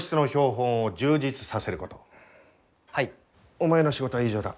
お前の仕事は以上だ。